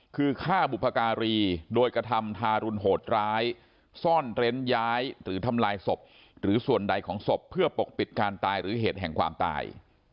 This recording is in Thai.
คือฆ่าบุพการีโดยกระทำทารุณโหดร้ายซ่อนเร้นย้ายหรือทำลายศพหรือส่วนใดของศพเพื่อปกปิดการตายหรือเหตุแห่งความตาย